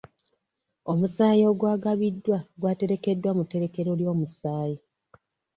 Omusaayi ogwagabiddwa gwaterekeddwa mu tterekero ly'omusaayi.